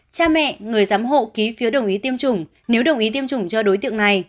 cha mẹ người giám hộ ký phiếu đồng ý tiêm chủng nếu đồng ý tiêm chủng cho đối tượng này